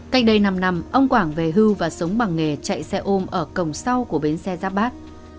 cách đây năm năm ông quảng về hưu và sống bằng nghề chạy xe ôm ở cổng sau của bến xe giáp bát